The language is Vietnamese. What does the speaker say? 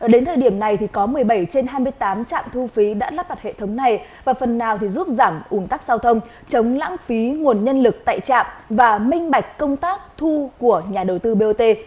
đến thời điểm này có một mươi bảy trên hai mươi tám trạm thu phí đã lắp đặt hệ thống này và phần nào giúp giảm ủn tắc giao thông chống lãng phí nguồn nhân lực tại trạm và minh bạch công tác thu của nhà đầu tư bot